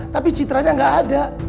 tapi citranya gak ada